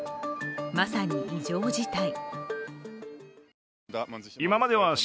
まさに異常事態。